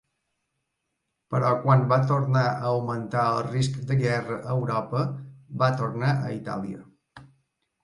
Però quan va tornar a augmentar el risc de guerra a Europa, va tornar a Itàlia.